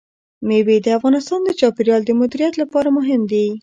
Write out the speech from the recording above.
مېوې د افغانستان د چاپیریال د مدیریت لپاره مهم دي.